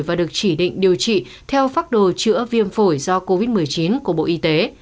và được chỉ định điều trị theo phác đồ chữa viêm phổi do covid một mươi chín của bộ y tế